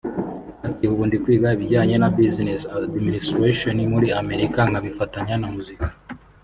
Ati « Ubu ndi kwiga ibijyanye na Business & Administration muri Amerika nkabifatanya na muzika